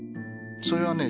それはね